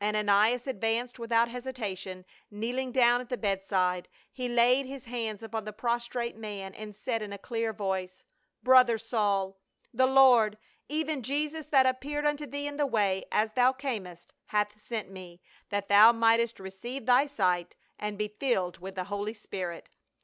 29 Ananias advanced without hesitation ; kneeling down at the bedside, he laid his hands upon the prostrate man and said in a clear voice :" Brother Saul, the Lord — even Jesus, that appeared unto thee in the way as thou earnest — hath sent me, that thou mightest receive thy sight and be filled with the holy Spirit."